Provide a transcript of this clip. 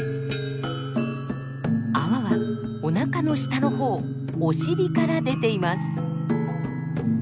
泡はおなかの下のほうお尻から出ています。